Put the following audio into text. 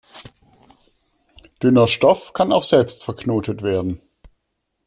Dünner Stoff kann auch selbst verknotet werden.